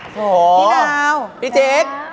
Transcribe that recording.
โหพี่จิ๊ก